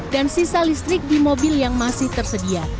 dan sisa listrik di mobil yang masih tersedia